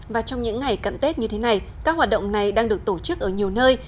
và trong những ngày cận tết như thế này các hoạt động này đang được tổ chức ở nhiều nơi